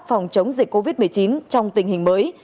phòng chống dịch covid một mươi chín trong tình hình mới